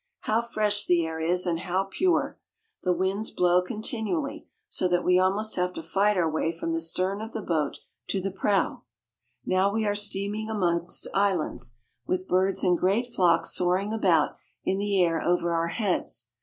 How fresh the air is, and how pure ! The winds blow continu ally, so that we almost have to fight our way from the stern of the boat to the prow. Now we are steaming amongst islands, with birds in great flocks soaring about in the air over our heads.